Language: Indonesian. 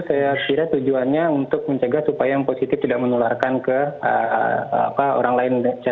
saya kira tujuannya untuk mencegah supaya yang positif tidak menularkan ke orang lain